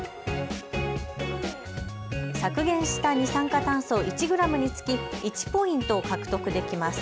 削減した二酸化炭素１グラムにつき１ポイントを獲得できます。